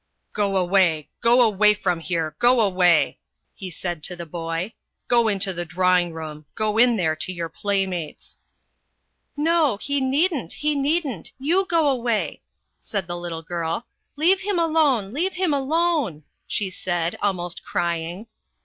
" Go away, go away from here, go away !" he said to the boy. " Go into the drawing room ! Go in there to your play mates !"" No, he needn't, he needn't ! You go away," said the little girl. " Leave him alone, leave him alone," she said, almost crying.